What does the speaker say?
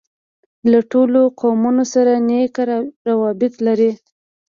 له ټولو قومونوسره نېک راوبط لري.